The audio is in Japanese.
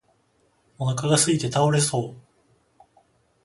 お腹がすいて倒れそう